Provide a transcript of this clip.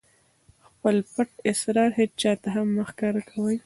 خپل پټ اسرار هېچاته هم مه ښکاره کوئ!